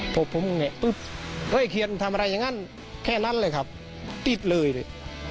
พอผมแงะปุ๊บเฮ้ยเคียนทำอะไรอย่างนั้นแค่นั้นเลยครับติดเลยเนี่ย